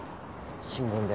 新聞で。